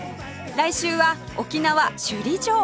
来週は沖縄首里城